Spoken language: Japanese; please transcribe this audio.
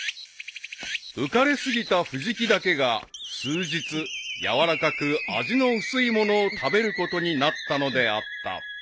［浮かれ過ぎた藤木だけが数日やわらかく味の薄いものを食べることになったのであった］